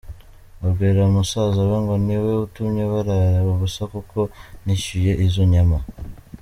abwira musaza we ngo niwe utumye barara ubusa kuko nishyuye izo nyama.